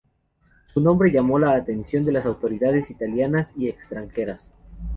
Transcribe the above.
Su nombre llamó la atención de las autoridades italianas y extranjeras.